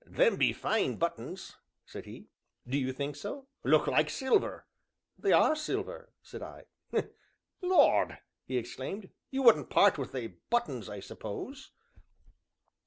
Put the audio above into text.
"Them be fine buttons!" said he. "Do you think so?" "Look like silver!" "They are silver," said I. "Lord!" he exclaimed, "you wouldn't part wi' they buttons, I suppose?"